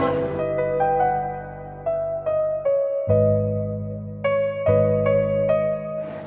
mana siap pak